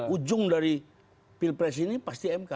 ujung dari pilpres ini pasti mk